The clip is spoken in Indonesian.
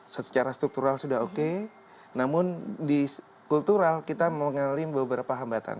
secara struktural sudah oke namun di kultural kita mengalami beberapa hambatan